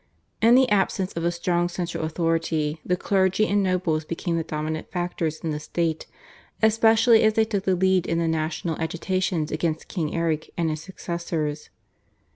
In the absence of a strong central authority the clergy and nobles became the dominant factors in the state, especially as they took the lead in the national agitations against King Erik and his successors.